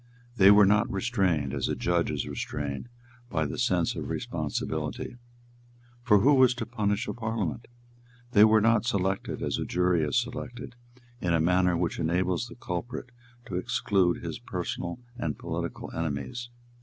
They were not restrained, as a judge is restrained, by the sense of responsibility; for who was to punish a Parliament? They were not selected, as a jury is selected, in a manner which enables the culprit to exclude his personal and political enemies.